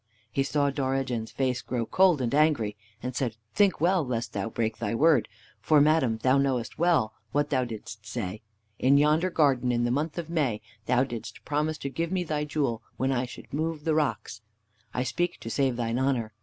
He saw Dorigen's face grow cold and angry, and said, "Think well lest thou break thy word, for, madam, thou knowest well what thou didst say. In yonder garden in the month of May thou didst promise to give me thy jewel when I should move the rocks. I speak to save thine honor.